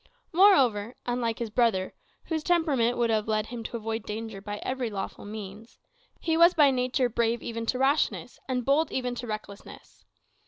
Moreover, unlike his brother, whose temperament would have led him to avoid danger by every lawful means, he was by nature brave even to rashness, and bold even to recklessness.